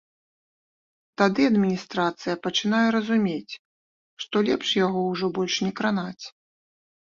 Тады адміністрацыя пачынае разумець, што лепш яго ўжо больш не кранаць.